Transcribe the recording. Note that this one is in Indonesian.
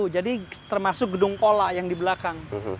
jadi termasuk gedung kola yang di belakang